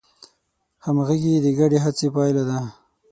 همغږي د ګډې هڅې پایله ده.